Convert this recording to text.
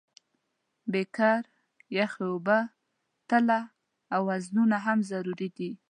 بیکر، یخې اوبه، تله او وزنونه هم ضروري دي.